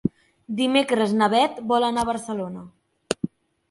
Dimecres na Beth vol anar a Barcelona.